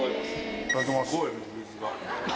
いただきます。